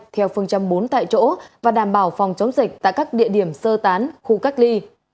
theo phương châm bốn tại chỗ và đảm bảo phòng chống dịch tại các địa điểm sơ tán khu cách ly